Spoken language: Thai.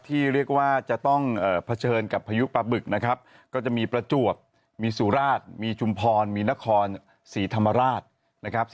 ที่เรียกว่าจะต้องเผชิญกับพายุปลาบึกนะครับก็จะมีประจวบมีสุราชมีชุมพรมีนครศรีธรรมราชนะครับ